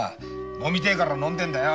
飲みてえから飲んでるんだよ！